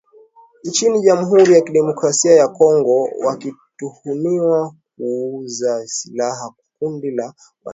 nchini Jamhuri ya Kidemokrasi ya Kongo wakituhumiwa kuuza silaha kwa kundi la wanamgambo